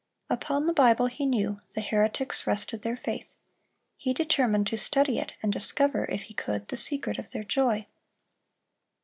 Upon the Bible, he knew, the heretics rested their faith. He determined to study it, and discover, if he could, the secret of their joy.